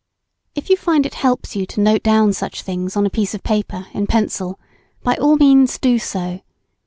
If you find it helps you to note down such things on a bit of paper, in pencil, by all means do so.